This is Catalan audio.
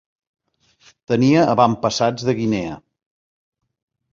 Tenia avantpassats de Guinea.